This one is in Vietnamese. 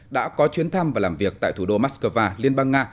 đã có chuyến thăm và làm việc tại thủ đô moscow liên bang nga